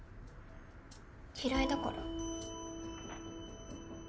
嫌いだから。